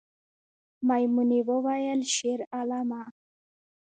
میمونۍ وویل شیرعالمه